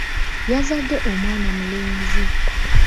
Yazadde omwana mulenzi.